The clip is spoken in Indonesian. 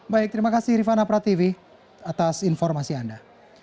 baik terima kasih rifana prativi atas informasi anda